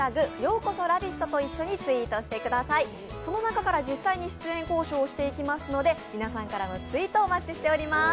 中から実際に出演交渉をしていきますので皆さんからのツイートをお待ちしています。